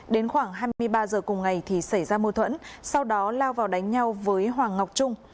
đến khoảng hai mươi ba giờ cùng ngày thì xảy ra mâu thuẫn sau đó lao vào đánh nhau với hoàng ngọc trung